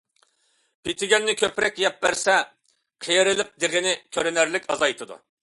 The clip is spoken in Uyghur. پىدىگەننى كۆپرەك يەپ بەرسە، قېرىلىق دېغىنى كۆرۈنەرلىك ئازايتىدۇ.